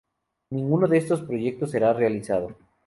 Ninguno de esos proyectos será realizado.